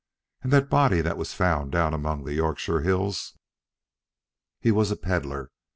"And that body that was found down among the Yorkshire Hills?" "He was a peddler.